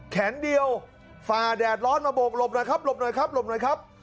แขนเดียวฝาแดดร้อนมาโบกหลบหน่อยครับหลบหน่อยครับ